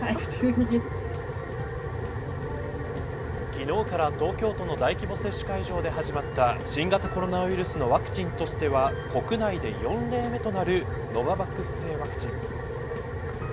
昨日から東京都の大規模接種会場で始まった新型コロナウイルスのワクチンとしては国内で４例目となるノババックス製ワクチン。